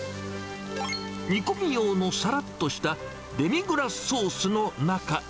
煮込み用のさらっとしたデミグラスソースの中へ。